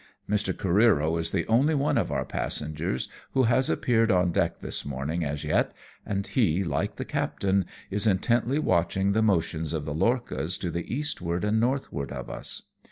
Mr. Oareero is the only one of our passengers who JFE OUTMANCEUVRE THE LORCHAS. 115 has appeared on deck this morning as yet, and he, like the captain, is intently watching the motions of the lorchas to the eastward and northward of us.